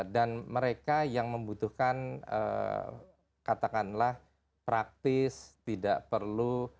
dan mereka yang membutuhkan katakanlah praktis tidak perlu